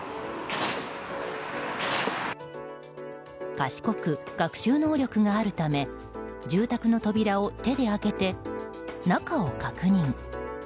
賢く、学習能力があるため住宅の扉を手で開けて中を確認。